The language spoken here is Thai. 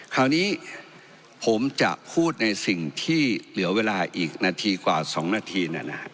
คราวนี้ผมจะพูดในสิ่งที่เหลือเวลาอีกนาทีกว่า๒นาที